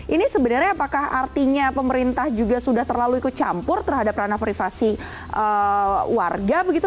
ini sebenarnya apakah artinya pemerintah juga sudah terlalu ikut campur terhadap ranah privasi warga begitu